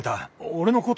俺のことが。